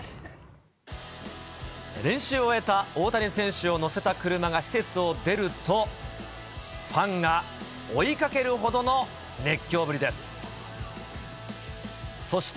練習を終えた大谷選手を乗せた車が施設を出ると、ファンが追いかけるほどの熱狂ぶりです。